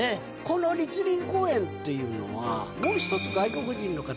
この栗林公園っていうのはもう１つ。